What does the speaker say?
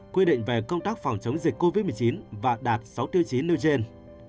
quy định về công tác phòng chống dịch covid một mươi chín và đạt sáu tiêu chí nêu trên